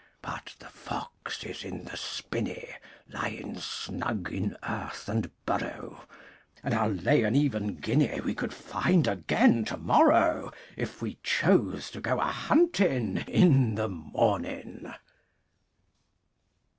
But the fox is in the spinney Lying snug in earth and burrow. And I'll lay an even guinea We could find again to morrow, If we chose to go a hunting in the morning.